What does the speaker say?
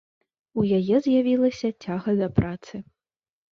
У яе з'явілася цяга да працы.